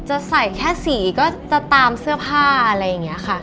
จะใส่แค่สีก็จะตามเสื้อผ้าอะไรอย่างนี้ค่ะ